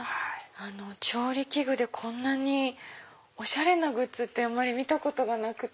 調理器具でこんなにおしゃれなグッズってあまり見たことがなくて。